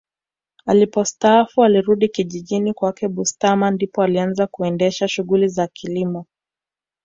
Alipostaafu alirudi kijijini kwake Butiama ndipo alianza kuendesha shughuli za kilimo